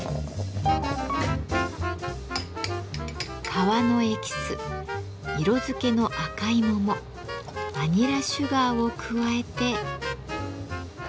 皮のエキス色付けの赤い桃バニラシュガーを加えて。